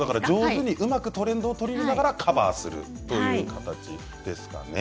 上手にうまくトレンドを取り入れながらカバーする形ですね。